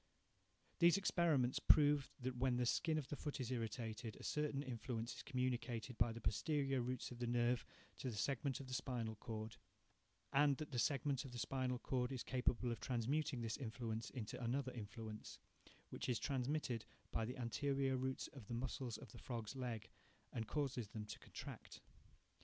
These experiments prove that when the skin of the foot is irritated, a certain influence is communicated by the posterior roots of the nerve to the segment of the spinal cord; and that the segment of the spinal cord is capable of transmuting this influence into another influence, which is transmitted by the anterior roots to the muscles of the frog's leg, and causes them to contract.